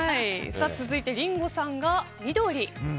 続いて、リンゴさんが緑。